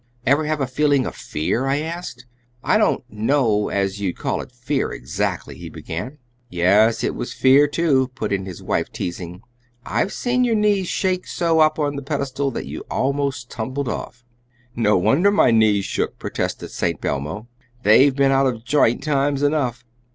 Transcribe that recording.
"Ever have a feeling of fear?" I asked. "I don't know as you'd call it fear exactly," he began. "Yes, it was fear, too," put in his wife, teasing. "I've seen your knees shake so up on the pedestal that you almost tumbled off." "No wonder my knees shook," protested St. Belmo; "they've been out of joint times enough.